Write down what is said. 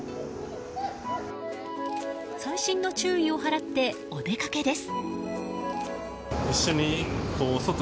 細心の注意を払ってお出かけです。